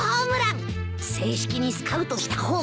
正式にスカウトした方がいいのかも。